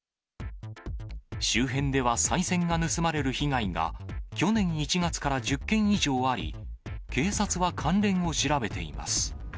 周辺ではさい銭が盗まれる被害が去年１月から１０件以上あり、警察は関連を調べています。